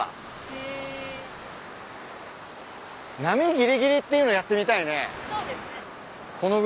波ぎりぎりっていうのやってみたいね。